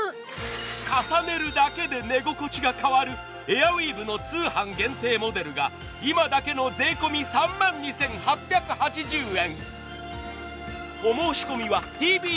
重ねるだけで寝心地が変わるエアウィーヴの通販限定モデルが今だけの税込み３万２８８０円。